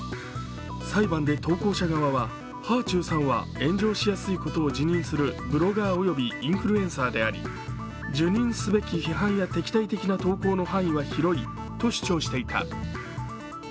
裁判で投稿者側ははあちゅうさんは炎上しやすいことを自認するブロガー及びインフルエンサーであり受忍すべき批判は敵対的な投稿の範囲は広いと主張していた。